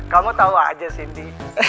kamu tau aja sindi